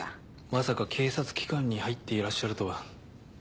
まさか警察機関に入っていらっしゃるとは。